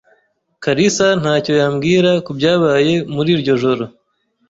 kalisa ntacyo yambwira kubyabaye muri iryo joro.